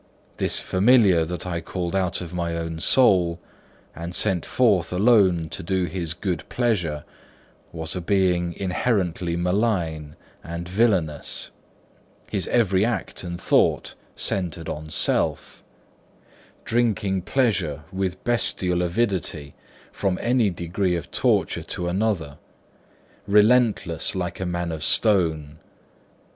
This familiar that I called out of my own soul, and sent forth alone to do his good pleasure, was a being inherently malign and villainous; his every act and thought centered on self; drinking pleasure with bestial avidity from any degree of torture to another; relentless like a man of stone.